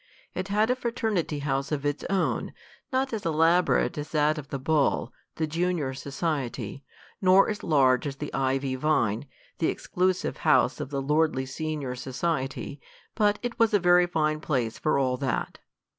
It had a fraternity house of its own, not as elaborate as that of the Bull, the junior society, nor as large as the Ivy Vine, the exclusive house of the lordly senior society, but it was a very fine place for all that.